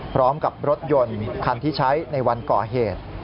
พร้อมกับรถยนต์คันที่ใช้ในวันก่อเหตุ